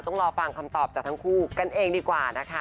ต้องรอฟังคำตอบจากทั้งคู่กันเองดีกว่านะคะ